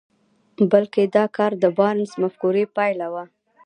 بلکې دا کار د بارنس د مفکورې پايله وه.